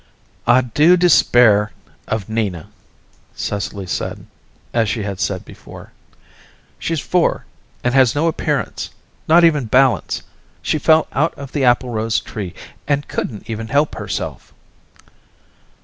"I do despair of Nina," Cecily said, as she had said before. "She's four, and has no appearance. Not even balance. She fell out of the applerose tree, and couldn't even help herself."